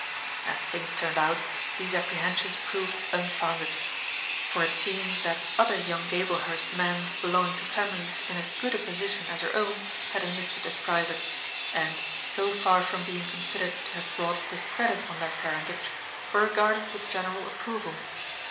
As things turned out, these apprehensions proved unfounded. For it seemed that other young Gablehurst men belonging to families in as good a position as her own had enlisted as privates, and, so far from being considered to have brought discredit on their parentage, were regarded with general approval.